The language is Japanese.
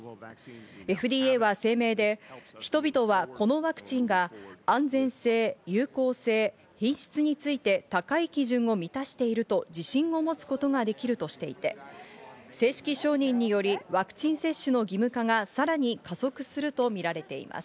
ＦＤＡは声明で人々はこのワクチンが安全性、有効性、品質について高い基準を満たしていると自信を持つことができるとしていて、正式承認によりワクチン接種の義務化がさらに加速するとみられています。